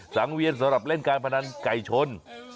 สังเวียนสำหรับเล่นการพนันไก่ชน